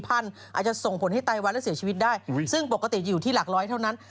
อาจจะส่งผลให้ไตวันและเสียชีวิตได้ซึ่งปกติจะอยู่ที่หลักร้อยเท่านั้น